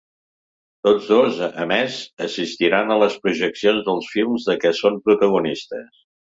Tots dos, a més, assistiran a les projeccions dels films de què són protagonistes.